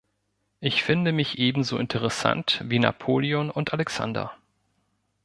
Ich finde mich ebenso interessant wie Napoleon und Alexander.